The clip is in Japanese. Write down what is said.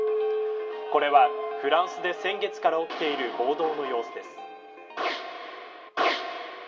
これはフランスで先月から起きている暴動の様子です。